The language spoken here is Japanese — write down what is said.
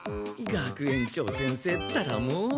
学園長先生ったらもう。